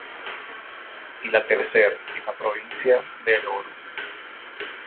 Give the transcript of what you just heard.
Y la tercer en la provincia de El Oro.